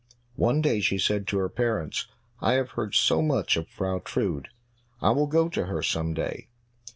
One day she said to her parents, "I have heard so much of Frau Trude, I will go to her some day.